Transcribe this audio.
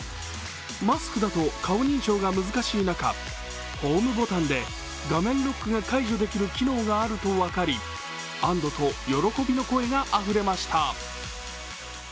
マスクだと顔認証が難しい中、ホームボタンで画面ロックが解除できる機能があると分かり安どと喜びの声があふれました。